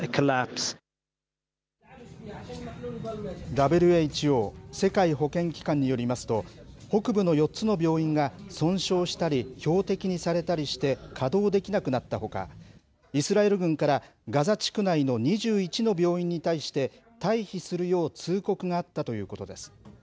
ＷＨＯ・世界保健機関によりますと、北部の４つの病院が損傷したり標的にされたりして、稼働できなくなったほか、イスラエル軍からガザ地区内の２１の病院に対して、退避するよう通告があったということです。